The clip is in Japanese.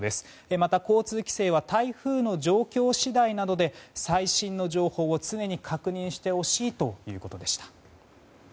また交通規制は台風の状況次第なので最新の情報を常に確認してほしいということでした。